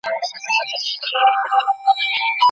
تاسي په پښتو کي د ادبي ټوکو څخه خوند اخلئ؟